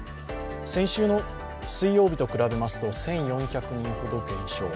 先週の水曜日と比べますと１４００人ほど減少。